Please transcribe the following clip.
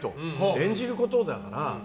演じることだから。